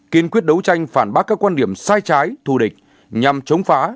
kiên quyết đấu tranh phản bác các quan điểm sai trái thù địch nhằm chống phá